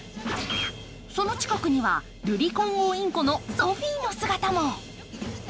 その近くには、ルリコンゴウインコのソフィーちゃんの姿も。